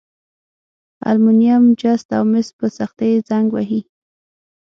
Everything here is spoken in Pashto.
المونیم، جست او مس په سختي زنګ وهي.